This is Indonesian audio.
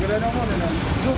jangan nombor nenek